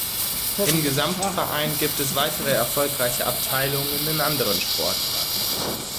Im Gesamtverein gibt es weitere erfolgreiche Abteilungen in anderen Sportarten.